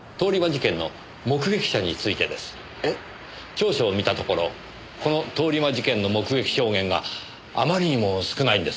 調書を見たところこの通り魔事件の目撃証言があまりにも少ないんです。